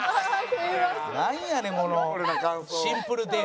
なんやねんこのシンプルデート。